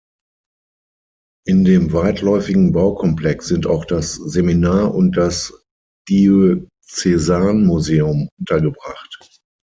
In dem weitläufigen Baukomplex sind auch das Seminar und das Diözesanmuseum untergebracht.